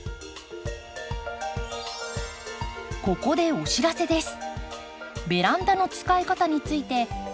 ここでお知らせです。